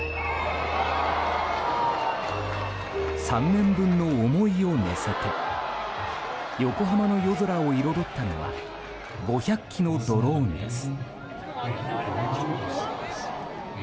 ３年分の思いを乗せて横浜の夜空を彩ったのは５００機のドローンです。